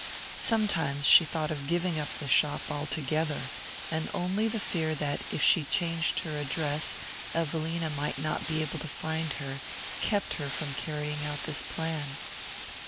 Sometimes she thought of giving up the shop altogether; and only the fear that, if she changed her address, Evelina might not be able to find her, kept her from carrying out this plan.